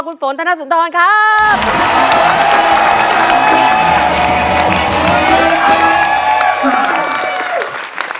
คุณฝนธนสุนทรครับ